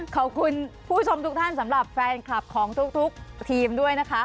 คุณผู้ชมทุกท่านสำหรับแฟนคลับของทุกทีมด้วยนะคะ